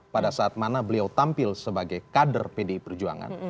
pada saat mana beliau tampil sebagai kader pdi perjuangan